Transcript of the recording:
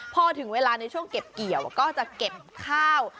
พอถึงเวลาในช่วงเก็บเกี่ยวก็จะเก็บข้าว